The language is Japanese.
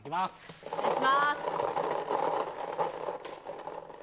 お願いします！